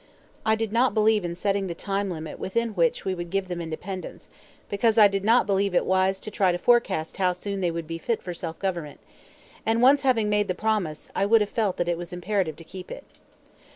I did not believe in setting the time limit within which we would give them independence, because I did not believe it wise to try to forecast how soon they would be fit for self government; and once having made the promise I would have felt that it was imperative to keep it.